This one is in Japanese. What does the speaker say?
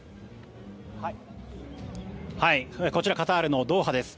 こちらカタールのドーハです。